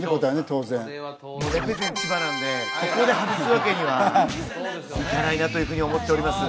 当然これは当然ここで外すわけにはいかないなというふうに思っております